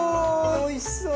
おおいしそう！